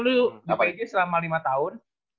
lu ngapain selama lima tahun